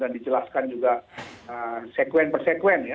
dijelaskan juga sekuen per sekuen ya